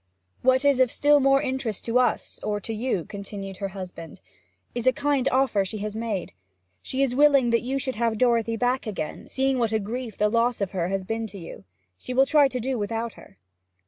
'What is of still more interest to us, or to you,' continued her husband, 'is a kind offer she has made. She is willing that you should have Dorothy back again. Seeing what a grief the loss of her has been to you, she will try to do without her.'